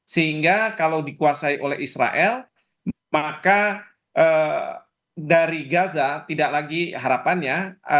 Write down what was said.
sehingga kalau dikuasai oleh israel maka dari gaza tidak lagi harapannya